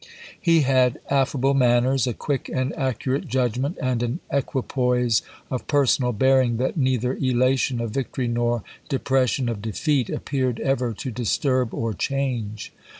He had affable manners, a quick and accu rate judgment, and an equipoise of personal bear ing that neither elation of victory nor depression of defeat appeared ever to disturb or change.